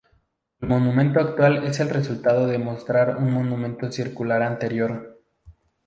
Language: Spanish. El monumento actual es el resultado de desmontar un monumento circular anterior.